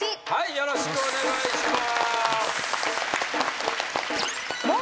よろしくお願いします。